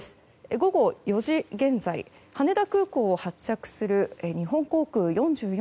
午後４時現在羽田空港を発着する日本航空４４